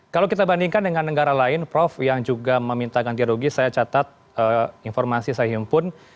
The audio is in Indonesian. kalau kita bandingkan dengan negara lain prof yang juga meminta ganti rugi saya catat informasi saya himpun